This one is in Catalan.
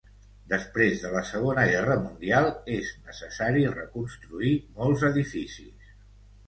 Després de la Segona Guerra Mundial, és necessari reconstruir molts edificis.